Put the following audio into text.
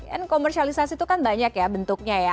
dan komersialisasi itu kan banyak ya bentuknya ya